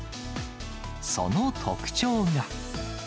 その特徴が。